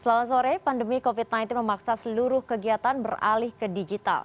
selamat sore pandemi covid sembilan belas memaksa seluruh kegiatan beralih ke digital